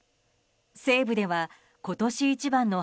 西部では今年一番の